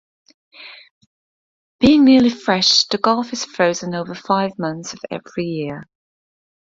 Being nearly fresh, the gulf is frozen over five months every year.